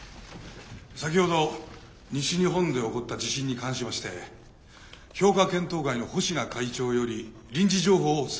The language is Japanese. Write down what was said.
先ほど西日本で起こった地震に関しまして評価検討会の保科会長より臨時情報をお伝えします。